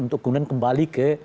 untuk kemudian kembali ke